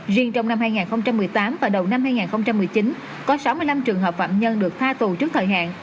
riêng trong năm hai nghìn một mươi tám và đầu năm hai nghìn một mươi chín có sáu mươi năm trường hợp phạm nhân được tha tù trước thời hạn